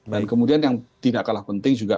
dan kemudian yang tidak kalah penting juga